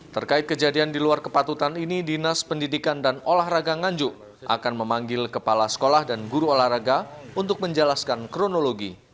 terkait kejadian di luar kepatutan ini dinas pendidikan dan olahraga nganjuk akan memanggil kepala sekolah dan guru olahraga untuk menjelaskan kronologi